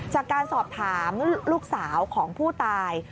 จากการสอบถามลูกสาวของผู้ตาย